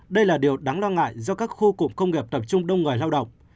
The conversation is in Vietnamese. đây là điều đáng lo ngại do các khu cụm công nghiệp tập trung đông người lao động